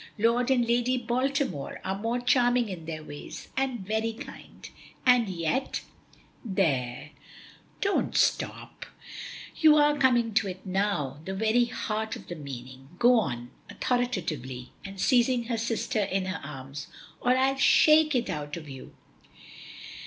Lord and Lady Baltimore are both charming in their ways, and very kind, and yet " "There, don't stop; you are coming to it now, the very heart of the meaning. Go on," authoritatively, and seizing her sister in her arms, "or I'll shake it out of you."